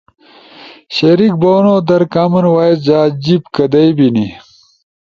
شریک بونو در کامن وائس جا جیِب کدئی بینی؟